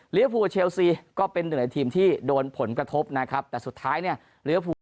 เหลือภูเชลซีก็เป็นหน่วยทีมที่โดนผลกระทบนะครับแต่สุดท้ายเนี่ยเหลือ